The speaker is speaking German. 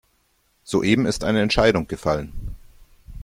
Soeben ist eine Entscheidung gefallen.